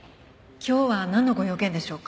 今日はなんのご用件でしょうか？